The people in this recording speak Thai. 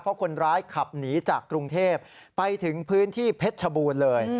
เพราะคนร้ายขับหนีจากกรุงเทพไปถึงพื้นที่เพชรชบูรณ์เลย